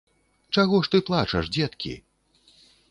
Чаго ж ты плачаш, дзеткі!